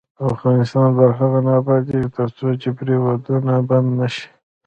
افغانستان تر هغو نه ابادیږي، ترڅو جبري ودونه بند نشي.